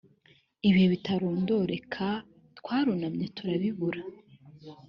ibihe bitarondoreka twarunamye turabibura